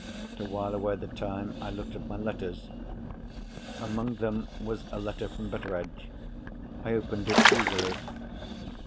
To while away the time, I looked at my letters. Among them was a letter from Betteredge. I opened it eagerly.